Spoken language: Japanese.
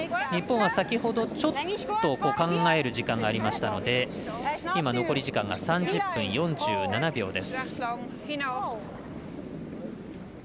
日本は先ほどちょっと考える時間がありましたので残り時間が３０分４７秒です。